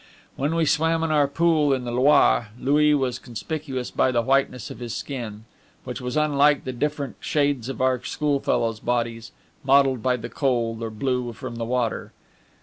When we swam in our pool in the Loire, Louis was conspicuous by the whiteness of his skin, which was unlike the different shades of our schoolfellows' bodies mottled by the cold, or blue from the water.